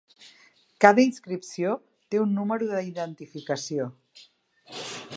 Cada inscripció té un número d'identificació.